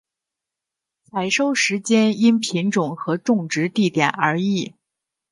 采收时间因品种和种植地点而异。